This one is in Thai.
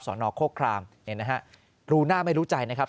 สอนอโครคคลามรูหน้าไม่รู้ใจนะครับ